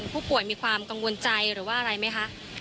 มีความกังวลใจหรือว่าอะไรไหมคะ